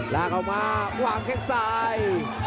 แล้วเข้ามาวางแข็งสาย